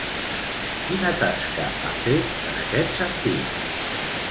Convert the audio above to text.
Quina tasca ha fet en aquest sentit?